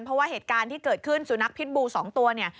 เพราะว่าเหตุการณ์ที่เกิดขึ้นสุนัขพิษบู๒ตัวเนี่ย